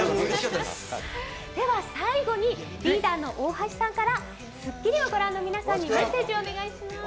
では最後にリーダーの大橋さんから『スッキリ』をご覧の皆さんにメッセージをお願いします。